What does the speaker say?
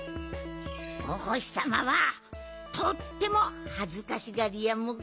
おほしさまはとってもはずかしがりやモグ。